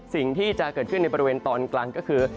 สิ่งที่จะเกิดขึ้นในบริเวณตอนกลางก็คือ